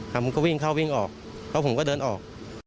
ผมก็วิ่งเข้าวิ่งออกแล้วผมก็เดินออก